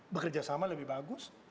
bekerja sama lebih bagus